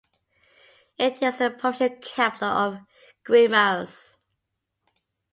It is the provincial capital of Guimaras.